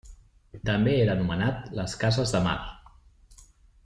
També era anomenat les Cases de Mar.